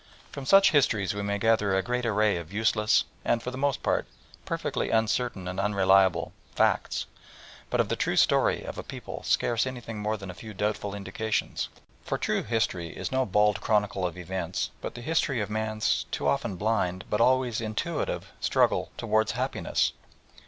From such histories we may gather a great array of useless, and, for the most part, perfectly uncertain and unreliable "facts," but of the true story of a people scarce anything more than a few doubtful indications. For true history is no bald chronicle of events but the history of man's, too often blind but always intuitive, struggle towards happiness.